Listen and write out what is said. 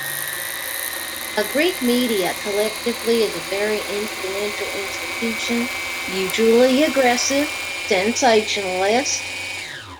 The Greek media, collectively, is a very influential institution - usually aggressive, sensationalist.